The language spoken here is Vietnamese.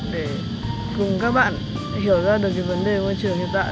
để cùng các bạn hiểu ra được cái vấn đề môi trường hiện tại